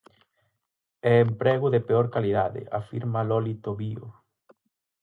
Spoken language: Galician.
E emprego de peor calidade, afirma Loli Tobío.